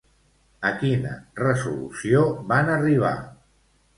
A quina resolució van arribar?